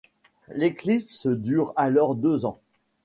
L'éclipse dure alors deux ans.